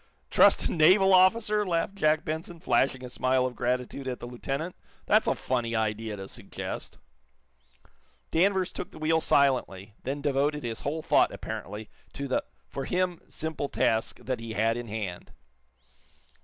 "Trust a naval officer?" laughed Jack Benson, flashing a smile of gratitude at the lieutenant. "That's a funny idea to suggest." Danvers took the wheel silently, then devoted his whole thought, apparently, to the for him simple task that he had in hand.